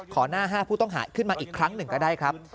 หน้า๕ผู้ต้องหาขึ้นมาอีกครั้งหนึ่งก็ได้ครับ